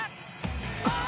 あっ！